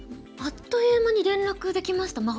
あっという間に連絡できました